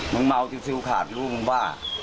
มึงเมาที่ซิอคาดรู้มึงว่า